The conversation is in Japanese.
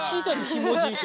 ひもじいって。